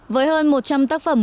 với hơn một trăm linh tác phẩm